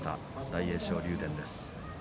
大栄翔、竜電です。